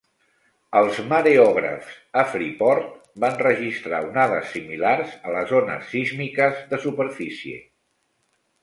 Els mareògrafs a Freeport van registrar onades similars a les ones sísmiques de superfície.